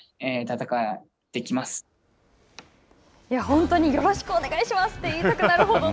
本当によろしくお願いします！と言いたくなるほど